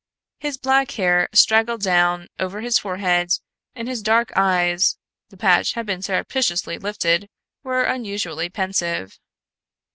His black hair straggled down over his forehead and his dark eyes the patch had been surreptitiously lifted were unusually pensive.